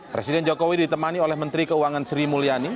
presiden jokowi ditemani oleh menteri keuangan sri mulyani